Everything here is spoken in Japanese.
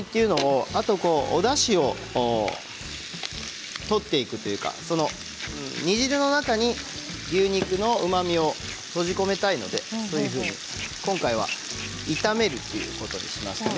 あとおだしを取っていくというか煮汁の中に牛肉のうまみを閉じ込めたいので今回は炒めるということにしました。